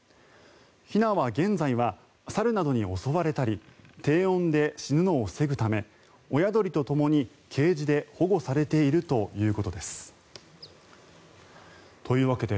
ひなは現在は猿などに襲われたり低温で死ぬのを防ぐため親鳥とともにケージで保護されているということです。